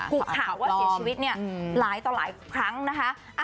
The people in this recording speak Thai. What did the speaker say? ถูกข่าวว่าเสียชีวิตเนี่ยหลายต่อหลายครั้งนะคะ